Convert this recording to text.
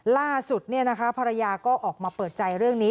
ล่าสุดภรรยาก็ออกมาเปิดใจเรื่องนี้